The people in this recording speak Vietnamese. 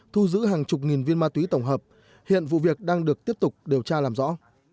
thu giữ hàng chục nghìn viên ma túy tổng hợp hiện vụ việc đang được tiếp tục điều tra làm rõ